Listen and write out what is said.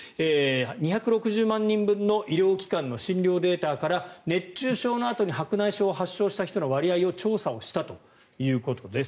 ２６０万人分の医療機関の診療データから熱中症のあとに白内障を発症した人の割合を調査をしたということです。